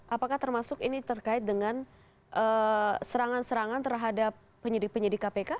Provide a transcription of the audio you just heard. apakah termasuk ini terkait dengan serangan serangan terhadap penyidik penyidik kpk